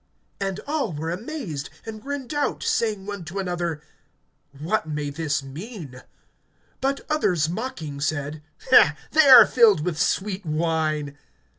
(12)And all were amazed, and were in doubt, saying one to another: What may this mean? (13)But others mocking said: They are filled with sweet wine.